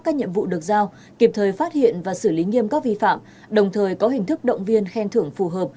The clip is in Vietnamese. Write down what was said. các nhiệm vụ được giao kịp thời phát hiện và xử lý nghiêm các vi phạm đồng thời có hình thức động viên khen thưởng phù hợp